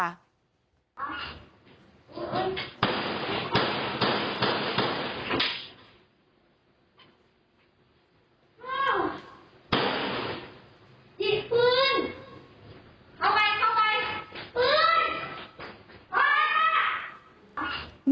หยิดปืน